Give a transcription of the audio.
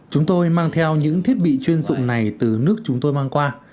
chúng tôi mang theo những thiết bị chuyên dụng này từ nước chúng tôi mang qua